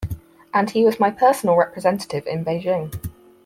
And he was my personal representative in Beijing.